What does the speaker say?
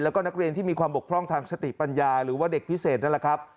แล้วก็นักเรียนที่มีความบกพร่องทางสติปัญญาหรือว่าเด็กพิเศษนั่นแหละครับ